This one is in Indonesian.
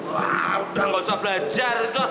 wah udah gak usah belajar